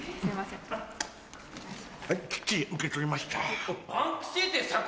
はいきっちり受け取りました。